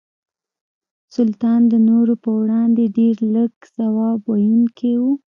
سلطان د نورو په وړاندې ډېر لږ ځواب ویونکي وو.